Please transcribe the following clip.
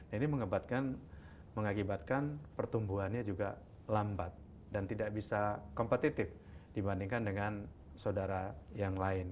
ini mengakibatkan pertumbuhannya juga lambat dan tidak bisa kompetitif dibandingkan dengan saudara yang lain